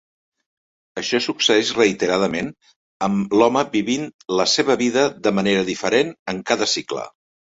Això succeeix reiteradament, amb l'home vivint la seva vida de manera diferent en cada cicle.